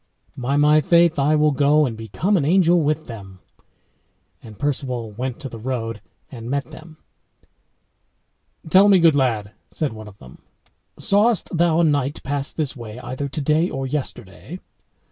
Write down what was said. "By my faith, I will go and become an angel with them." And Perceval went to the road and met them. "Tell me, good lad," said one of them, "sawest thou a knight pass this way either today or yesterday?"